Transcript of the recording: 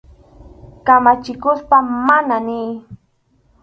Kamachikuspa «mana» niy.